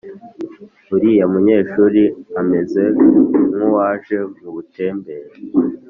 uriya munyeshuri ameze nkuwaje mu butember